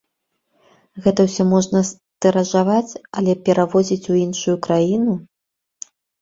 Гэта ўсё можна стыражаваць, але перавозіць у іншую краіну?